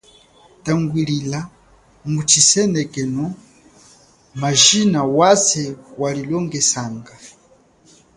Tangilila mu chisoneko majina waze walilongesanga.